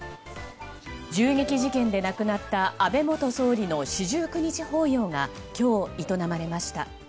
銃撃事件で亡くなった安倍元総理の四十九日法要が今日、営まれました。